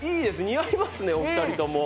似合いますねお二人とも。